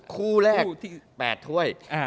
คู่แรก๘ถ้วย